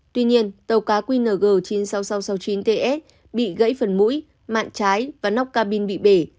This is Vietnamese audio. tuy nhiên tàu cá qng chín mươi sáu nghìn sáu trăm sáu mươi chín ts bị gãy phần mũi mạng trái và nóc cabin bị bể